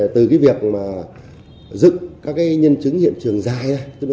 từ việc dựng các nhân chứng hiện trường dài ra